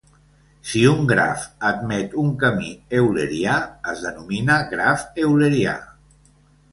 Si un graf admet un camí eulerià, es denomina graf eulerià.